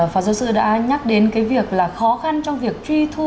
phó giáo sư đã nhắc đến cái việc là khó khăn trong việc truy thu